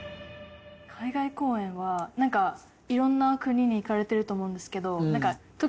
海外公演はいろんな国に行かれてると思うんですけど。